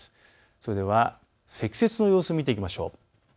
それでは積雪の様子を見ていきましょう。